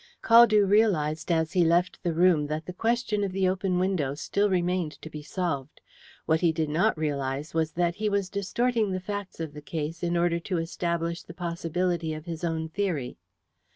Caldew realized as he left the room that the question of the open window still remained to be solved. What he did not realize was that he was distorting the facts of the case in order to establish the possibility of his own theory.